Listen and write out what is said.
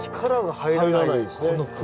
入らないですね。